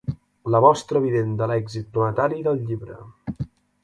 La mostra evident de l'èxit planetari del llibre.